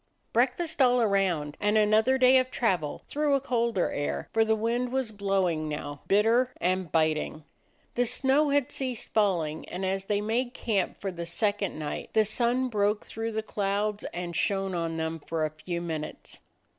Breakfast all around, and another day of travel through a colder air; for the wind was blowing now, bitter and biting. The snow had ceased falling, and as they made camp for the second night the sun broke through the clouds and shone on them for a few minutes.